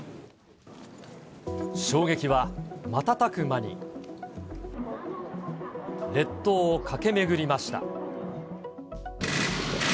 衝撃は瞬く間に、列島を駆け巡りました。